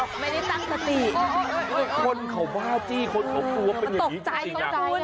ไม่ได้ตั้งสติโอ้ยคนเขาว่าที่เป็นอย่างนี้จริง